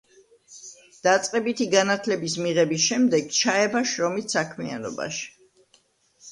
დაწყებითი განათლების მიღების შემდეგ ჩაება შრომით საქმიანობაში.